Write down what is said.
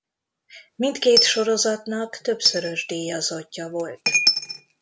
Mindkét sorozatnak többszörös díjazottja volt.